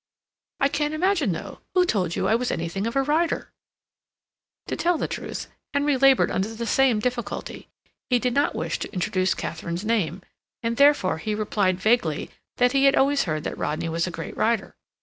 I can't imagine, though, who told you I was anything of a rider?" To tell the truth, Henry labored under the same difficulty; he did not wish to introduce Katharine's name, and, therefore, he replied vaguely that he had always heard that Rodney was a great rider.